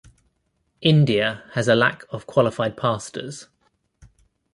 India has a lack of qualified pastors.